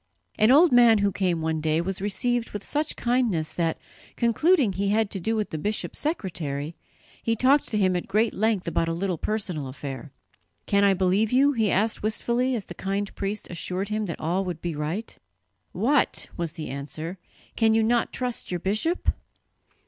An old man who came one day was received with such kindness that, concluding he had to do with the bishop's secretary, he talked to him at great length about a little personal affair. "Can I believe you?" he asked wistfully, as the kind priest assured him that all would be right. "What!" was the answer, "can you not trust your bishop?"